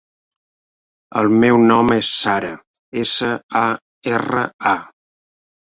El meu nom és Sara: essa, a, erra, a.